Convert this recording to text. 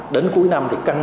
đến cuối năm thì căng